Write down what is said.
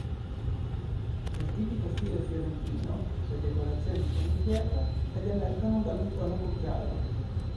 Nel tipico stile fiorentino le decorazioni sono in pietra ed "emergono" dall'intonaco chiaro.